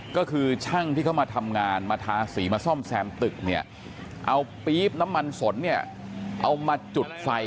ก็คือช่างที่เขามาทำงานมาทาสีมาซ่อมแซมตึกเนี่ยเอาปี๊บน้ำมันสนเนี่ยเอามาจุดไฟ